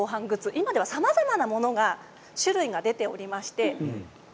今ではさまざま種類が出ております。